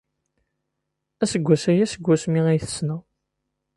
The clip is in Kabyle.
Aseggas aya seg wasmi ay t-ssneɣ.